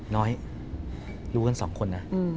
น้อยรู้กันสองคนนะ